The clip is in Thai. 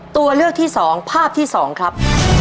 ตัวเลือกที่สองภาพที่สองครับ